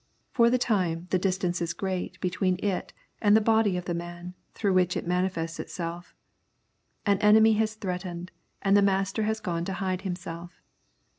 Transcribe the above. For the time the distance is great between it and the body of the man through which it manifests itself. An enemy has threatened, and the master has gone to hide himself.